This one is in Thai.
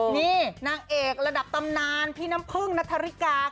นี่นางเอกระดับตำนานพี่น้ำพึ่งนัทธริกา